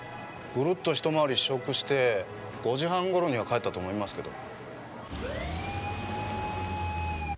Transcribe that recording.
ぐるっと一回り試食して５時半頃には帰ったと思いますけど。